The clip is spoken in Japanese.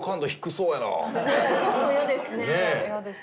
ちょっと嫌ですね嫌です。